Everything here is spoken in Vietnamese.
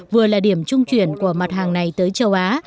vừa là điểm trung chuyển của mặt hàng này tới châu á